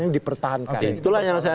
dipertahankan itulah yang saya